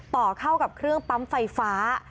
ต่อเข้ากับเครื่องปั๊มไฟฟ้า